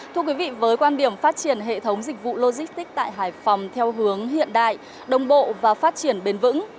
thưa quý vị với quan điểm phát triển hệ thống dịch vụ logistics tại hải phòng theo hướng hiện đại đồng bộ và phát triển bền vững